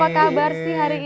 apa kabar sih hari ini